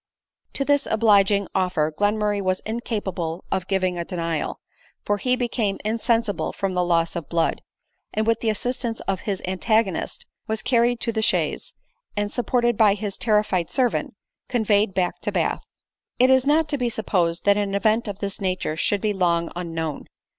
To this obliging offer Glenmurray was incapable of giving a denial ; for he became insensible from loss of blood, and with the assistance of his antagonist was car ried to the chaise, and, supported by his terrified servant, conveyed back to Bath. It is not to be supposed that an event of this nature should be long unknown.